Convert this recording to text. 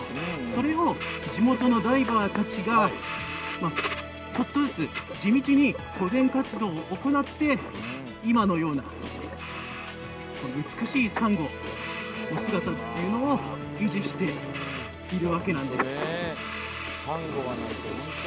それを地元のダイバーたちがちょっとずつ地道に保全活動を行って今のような美しいサンゴの姿っていうのを維持しているわけなんです。